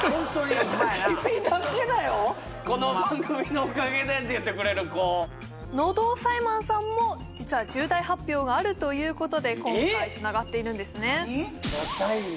この番組のおかげでって言ってくれる子喉押さえマンさんも実は重大発表があるということで今回つながっているんですね・えっ何？